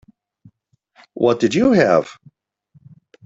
What did you have?